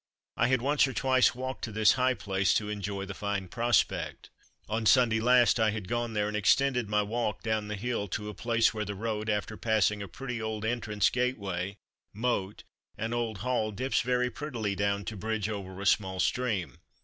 I had once or twice walked to this high place to enjoy the fine prospect. On Sunday last I had gone there and extended my walk down the hill to a place where the road, after passing a pretty old entrance gateway, moat, and old hall, dips very prettily down to bridge over a small stream.